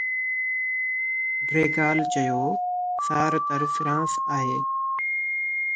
De Gaulle چيو: Sartre France آهي.